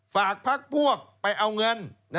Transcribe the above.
ฝากพักพวกไปเอาเงิน